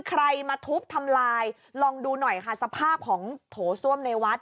ใครมาทุบทำลายลองดูหน่อยค่ะสภาพของโถส้วมในวัด